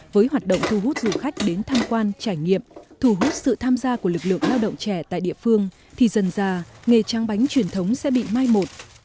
với hoạt động thu hút du khách đến tham quan trải nghiệm thu hút sự tham gia của lực lượng lao động trẻ tại địa phương thì dần ra nghề trang bánh truyền thống sẽ bị mai một